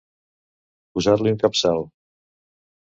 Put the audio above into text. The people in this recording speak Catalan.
Posar-li un capçal.